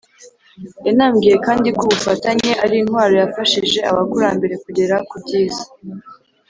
Yanambwiye kandi ko ubufatanye ari intwaro yafashije abakurambere kugera ku byiza